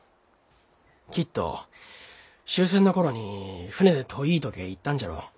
きっと終戦の頃に船で遠いとけえ行ったんじゃろう。